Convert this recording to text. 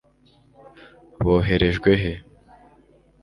boherejwe he